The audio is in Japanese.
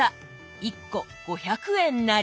１個５００円なり！